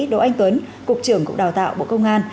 đỗ anh tuấn cục trưởng cục đào tạo bộ công an